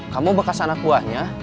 kamu bekas anak buahnya